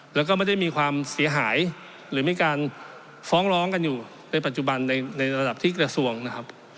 แล้วก็ไม่ได้มีความเสียหายหรือมีการฟ้องร้องกันอยู่ในปัจจุบันในระดับที่กระทรวงนะครับ